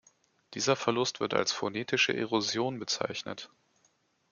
Dieser Verlust wird als phonetische Erosion bezeichnet.